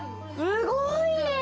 すごいね。